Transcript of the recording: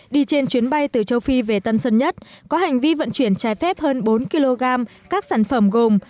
đi trên chuyến bay từ châu phi về tân sơn nhất có hành vi vận chuyển trái phép hơn bốn kg các sản phẩm gồm